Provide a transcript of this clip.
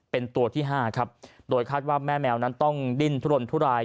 เป็นตัวที่ห้าครับโดยคาดว่าแม่แมวนั้นต้องดิ้นทุรนทุราย